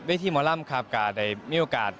วิธีมอร่ำคาบกาใดไม่โอกาส